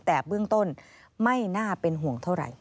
แต่เบื้องต้นไม่น่าเป็นห่วงเท่าไหร่